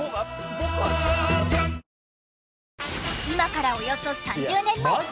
今からおよそ３０年前。